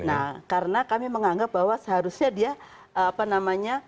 nah karena kami menganggap bahwa seharusnya dia